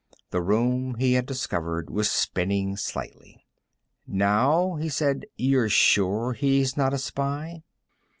The room, he had discovered, was spinning slightly. "Now," he said, "you're sure he's not a spy?"